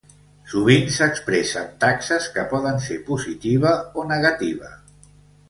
Sovint s'expressa en taxes que poden ser positiva o negativa.